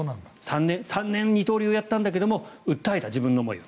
３年二刀流をやったんだけど訴えた、自分の思いを。